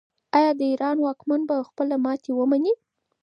آیا د ایران واکمن به خپله ماتې ومني؟